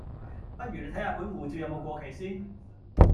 不如你睇下本護照有冇過期先